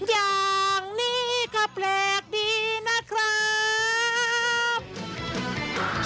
อย่างนี้ก็แปลกดีนะครับ